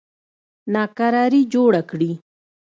ناکراري جوړه کړي.